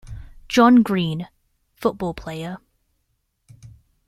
John Green - football player.